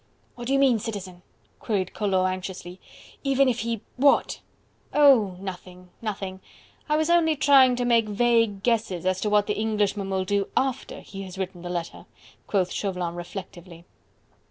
"What do you mean, Citizen?" queried Collot anxiously, "even if he... what?..." "Oh! nothing, nothing! I was only trying to make vague guesses as to what the Englishman will do AFTER he has written the letter," quoth Chauvelin reflectively.